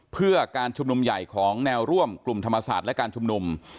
เพื่อการชุมนุมใหญ่ของแนวร่วมกลุ่มธรรมศาสตร์และการชุมนุม